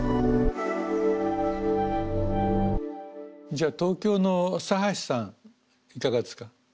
じゃあ東京のさはしさんいかがですか？